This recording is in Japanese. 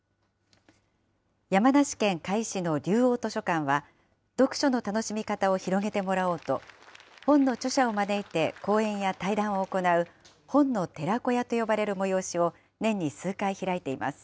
山梨県甲斐市の竜王図書館は、読書の楽しみ方を広げてもらおうと、本の著者を招いて講演や対談を行う本の寺子屋と呼ばれる催しを年に数回開いています。